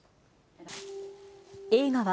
映画は、